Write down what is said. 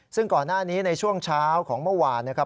ซึ่งก่อนหน้านี้ในช่วงเช้าของเมื่อวานนะครับ